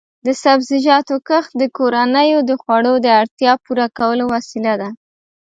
د سبزیجاتو کښت د کورنیو د خوړو د اړتیا پوره کولو وسیله ده.